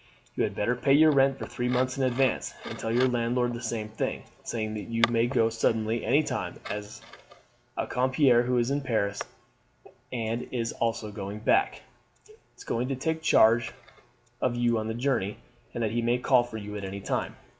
You had better pay your rent for three months in advance, and tell your landlord the same thing; saying that you may go suddenly anytime, as a compere who is in Paris, and is also going back, is going to take charge of you on the journey, and that he may call for you at any time.